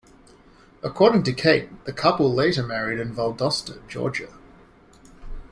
According to Kate, the couple later married in Valdosta, Georgia.